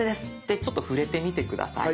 でちょっと触れてみて下さい。